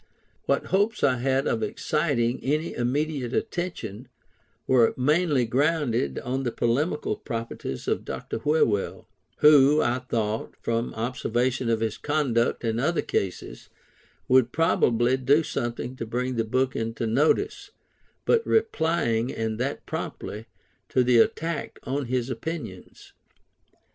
What hopes I had of exciting any immediate attention, were mainly grounded on the polemical propensities of Dr Whewell; who, I thought, from observation of his conduct in other cases, would probably do something to bring the book into notice, by replying, and that promptly, to the attack on his opinions.